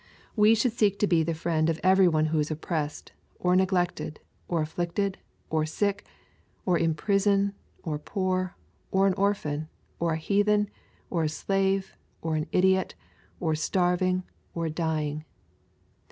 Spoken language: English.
We should seek to be ^ 873 EXPOSITORY THOUGHTS. the friend of every one who is oppressed, or neglected, or afflicted, or sick, or in prison, or poor, or an orphan, or a heathen, or a slave, or an idiot, or starving, or dying.